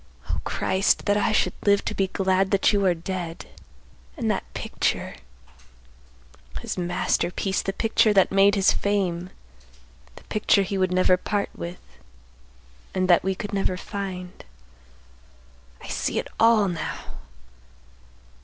O Christ! that I should live to be glad that you are dead! And that picture! His masterpiece, the picture that made his fame, the picture he would never part with, and that we could never find! I see it all now!